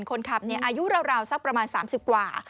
คนขับอายุราวสักประมาณ๓๐กว่า